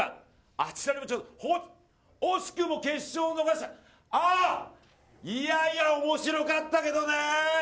あちらに、ちょっと惜しくも決勝を逃したいやいや、面白かったけどね。